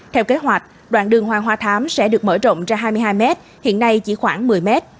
theo kế hoạch đoạn đường hoàng hoa thám sẽ được mở rộng ra hai mươi hai mét hiện nay chỉ khoảng một mươi mét